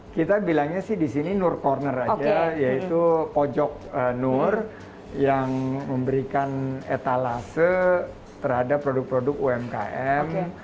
kita bilangnya sih di sini nur corner aja yaitu pojok nur yang memberikan etalase terhadap produk produk umkm